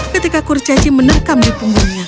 kedengarannya si peniup trompet menangkapnya